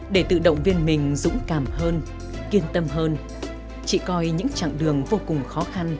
để tự động viên mình dũng cảm hơn kiên tâm hơn chị coi những chặng đường vô cùng khó khăn